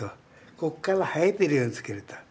ここから生えてるように付けると。